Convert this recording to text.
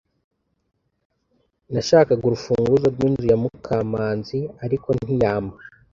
Nashakaga urufunguzo rw'inzu ya Mukamanzi, ariko ntiyampa.